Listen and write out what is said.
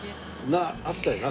あったよな？